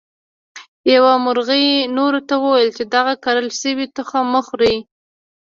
یوه مرغۍ نورو ته وویل چې دغه کرل شوي تخم مه خورئ.